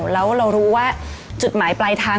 แล้วเรารู้ว่าจุดหมายปลายทาง